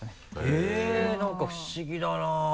へぇっ何か不思議だな。